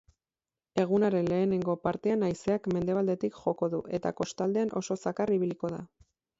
Egunaren lehenengo partean haizeak mendebaldetik joko du eta kostaldean oso zakar ibiliko da.